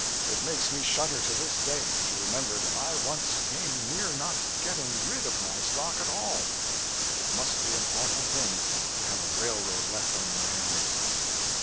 It makes me shudder to this day, to remember that I once came near not getting rid of my stock at all. It must be an awful thing to have a railroad left on your hands.